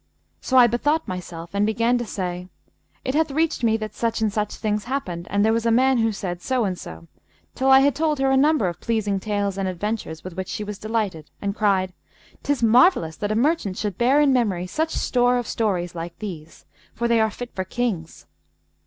So I bethought myself and began to say, 'It hath reached me that such and such things happened and there was a man who said so and so,' till I had told her a number of pleasing tales and adventures with which she was delighted and cried, ''Tis marvellous that a merchant should bear in memory such store of stories like these, for they are fit for Kings.'